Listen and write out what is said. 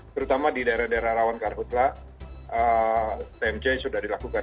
terutama di daerah daerah rawan karhutlah tmc sudah dilakukan